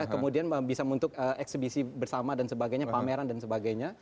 kemudian bisa untuk eksebisi bersama dan sebagainya pameran dan sebagainya